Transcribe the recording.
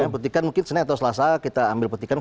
petikan mungkin setelah selasa kita ambil petikan